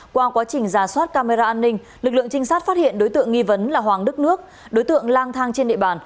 qua quá trình giả soát camera an ninh lực lượng trinh sát phát hiện đối tượng nghi vấn là hoàng đức nước đối tượng lang thang trên địa bàn